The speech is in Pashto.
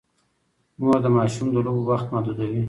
مور د ماشوم د لوبو وخت محدودوي.